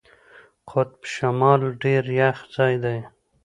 قطب شمال ډېر یخ ځای دی.